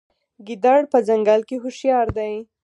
ګیدړ په ځنګل کې هوښیار دی.